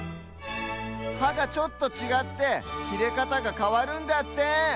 はがちょっとちがってきれかたがかわるんだって！